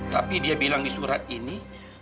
tapi dia bilang di surat ini